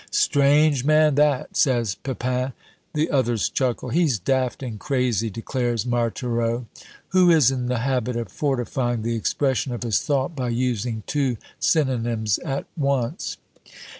"Strange man, that," says Pepin; the others chuckle. "He's daft and crazy," declares Marthereau, who is in the habit of fortifying the expression of his thought by using two synonyms at once.